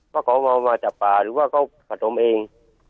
ว่าเขาเอามาจากป่าหรือว่าเขาผสมเอง